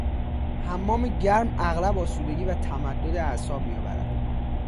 حمام گرم اغلب آسودگی و تمدد اعصاب می آورد.